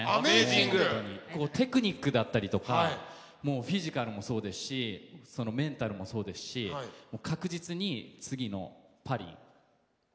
テクニックだったりとかフィジカルもそうですしメンタルもそうですし確実に次のパリ絶対金メダル見えると思います。